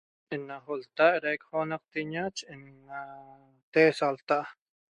Ena ltaharaiq onaqteña che ena texasaltaa